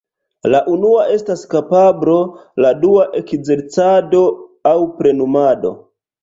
La unua estas kapablo, la dua ekzercado aŭ plenumado.